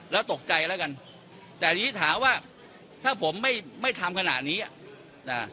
แล้วตกใจแล้วกันแต่ทีนี้ถามว่าถ้าผมไม่ไม่ทำขนาดนี้อ่ะนะ